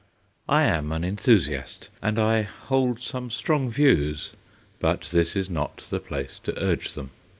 I am an enthusiast, and I hold some strong views, but this is not the place to urge them.